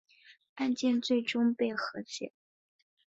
案件最终被和解了。